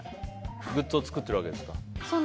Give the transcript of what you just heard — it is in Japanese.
グッズを作っているんですか。